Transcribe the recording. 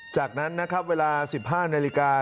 จากนั้นนะครับเวลา๑๕นาฬิกา